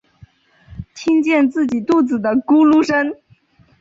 听见自己肚子的咕噜声